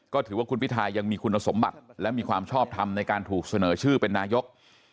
ก็ถือว่าคุณพิทายังมีคุณสมบัติและมีความชอบทำในการถูกเสนอชื่อเป็นนายก